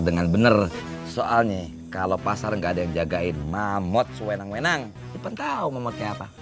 dengan bener soalnya kalau pasar nggak ada yang jagain mamut suenang suenang